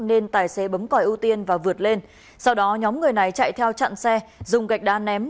nên tài xế bấm còi ưu tiên và vượt lên sau đó nhóm người này chạy theo chặn xe dùng gạch đá ném